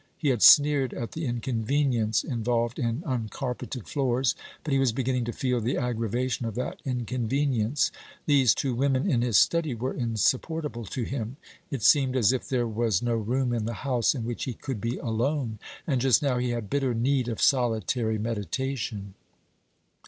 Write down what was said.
He had sneered at the inconvenience involved in uncarpeted floors, but he was beginning to feel the aggravation of that inconvenience. These two women in his study were insupportable to him. It seemed as if there was no room in the house in which he could be alone; and just now he had bitter need of solitary meditation.